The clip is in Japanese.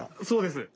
そうです。